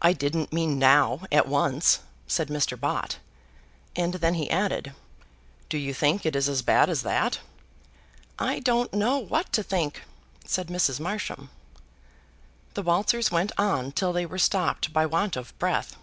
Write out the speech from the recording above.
"I didn't mean now at once," said Mr. Bott; and then he added, "Do you think it is as bad as that?" "I don't know what to think," said Mrs. Marsham. The waltzers went on till they were stopped by want of breath.